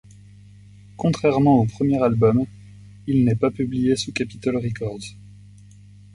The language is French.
Contrairement au premier album, il n'est pas publié sous Capitol Records.